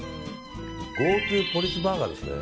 ＧｏＴｏポリスバーガーですね。